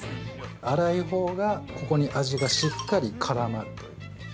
◆粗いほうが、ここに味がしっかり絡まるという。